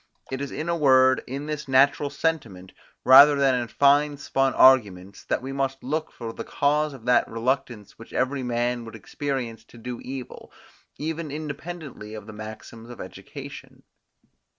It is in a word, in this natural sentiment, rather than in fine spun arguments, that we must look for the cause of that reluctance which every man would experience to do evil, even independently of the maxims of education.